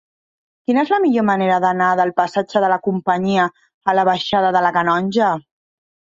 Quina és la millor manera d'anar del passatge de la Companyia a la baixada de la Canonja?